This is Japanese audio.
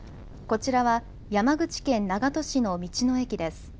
こちらは、山口県長門市の道の駅です。